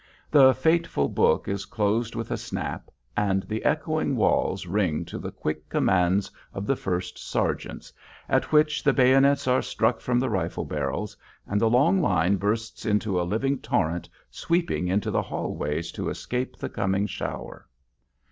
The fateful book is closed with a snap, and the echoing walls ring to the quick commands of the first sergeants, at which the bayonets are struck from the rifle barrels, and the long line bursts into a living torrent sweeping into the hall ways to escape the coming shower.